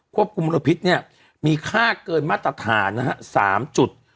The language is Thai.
กรมมลพิษเนี่ยมีค่าเกินมาตรฐานนะฮะ๓จุด